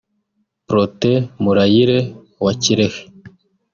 Protais Murayire wa Kirehe